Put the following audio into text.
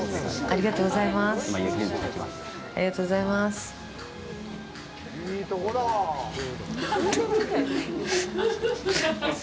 ありがとうございます。